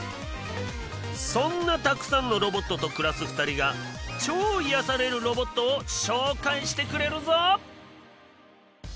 そんなたくさんのロボットと暮らす２人が超癒やされるロボットを紹介してくれるぞ！